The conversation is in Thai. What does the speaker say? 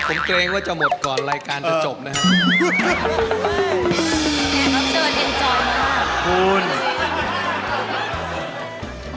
ผมเกรงว่าจะหมดก่อนรายการจะจบนะครับ